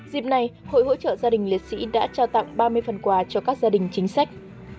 dịp này hội hỗ trợ gia đình liệt sĩ đã trao tặng ba mươi phần quà cho các gia đình chính sách